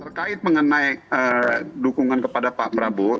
terkait mengenai dukungan kepada pak prabowo